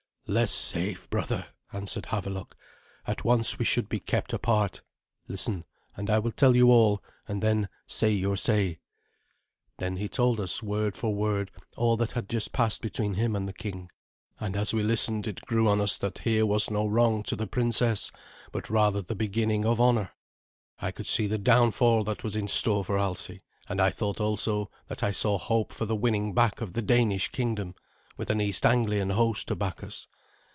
"Less safe, brother," answered Havelok. "At once we should be kept apart. Listen, and I will tell you all, and then say your say." Then he told us, word for word, all that had just passed between him and the king. And as we listened, it grew on us that here was no wrong to the princess, but rather the beginning of honour. I could see the downfall that was in store for Alsi, and I thought also that I saw hope for the winning back of the Danish kingdom, with an East Anglian host to back us.